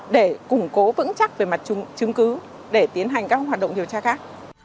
để củng cố vững chắc về mặt chứng cứ để tiến hành các hoạt động điều tra khác